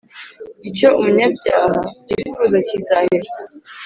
icyo umunyabyaha yifuza kizahera